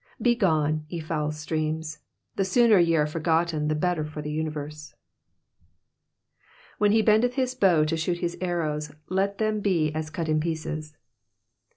Begone, ye foul streams, the sooner ye are forgotten the better for the universe. ''When he l>endeth his bow to shoot his arrows, let them he as cut in pieces.''